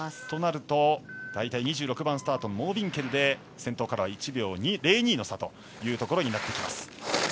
となると大体、２６番スタートのモービンケルで先頭からは１秒０２の差となってきます。